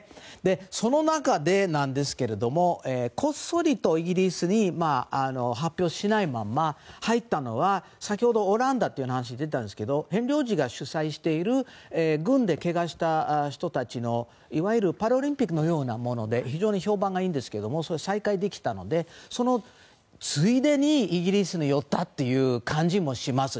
その中で、こっそりとイギリスに発表しないまま入ったのは先ほどオランダという話が出たんですけどヘンリー王子が主催している軍でけがした人たちのいわゆるパラリンピックのようなもので非常に評判がいいんですけど再開できたのでそのついでにイギリスに寄ったという感じもします。